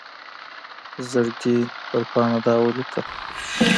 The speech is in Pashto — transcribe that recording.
زړګي پر پاڼــه دا ولـيكل